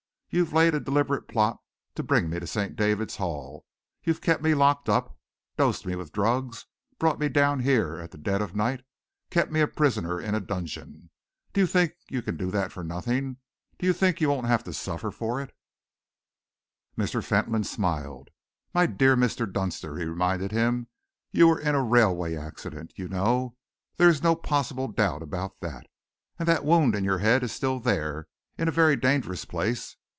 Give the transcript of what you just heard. You laid a deliberate plot to bring me to St. David's Hall; you've kept me locked up, dosed me with drugs, brought me down here at the dead of night, kept me a prisoner in a dungeon. Do you think you can do that for nothing? Do you think you won't have to suffer for it?" Mr. Fentolin smiled. "My dear Mr. Dunster," he reminded him, "you were in a railway accident, you know; there is no possible doubt about that. And the wound in your head is still there, in a very dangerous place.